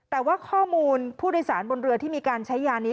แต่ว่าข้อมูลผู้โดยสารบนเรือที่มีการใช้ยานี้